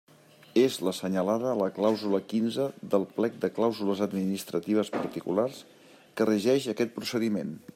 És l'assenyalada a la clàusula quinze del plec de clàusules administratives particulars que regeix aquest procediment.